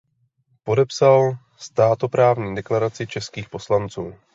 Podepsal státoprávní deklaraci českých poslanců.